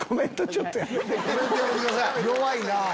弱いなぁ！